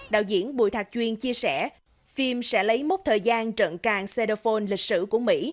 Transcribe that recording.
đạo diễn bù thạc chuyên chia sẻ phim sẽ lấy mốt thời gian trận càng xe đô phôn lịch sử của mỹ